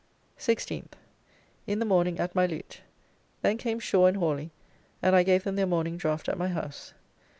16th, In the morning at my lute. Then came Shaw and Hawly, and I gave them their morning draft at my house.